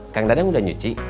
kang dadang udah nyuci